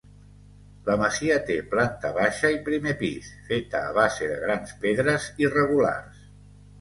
La masia té planta baixa i primer pis; feta a base de grans pedres irregulars.